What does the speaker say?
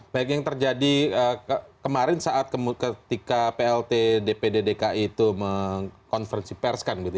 baik yang terjadi kemarin saat ketika plt dpd dki itu mengkonferensi pers kan gitu